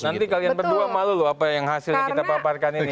nanti kalian berdua malu loh apa yang hasilnya kita paparkan ini